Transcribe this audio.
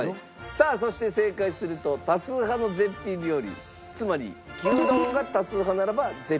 さあそして正解すると多数派の絶品料理つまり牛丼が多数派ならば絶品の牛丼。